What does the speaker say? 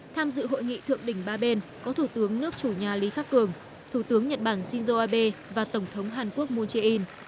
tham dự hội nghị thượng đỉnh ba bên có thủ tướng nước chủ nhà lý khắc cường thủ tướng nhật bản shinzo abe và tổng thống hàn quốc moon jae in